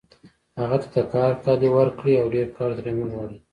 هغه ته د کار کالي ورکړئ او ډېر کار ترې مه غواړئ